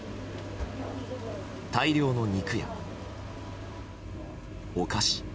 大量の肉やお菓子。